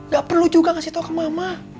gak perlu juga ngasih tau ke mama